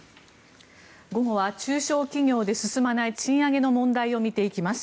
午後は中小企業で進まない賃上げの問題を見ていきます。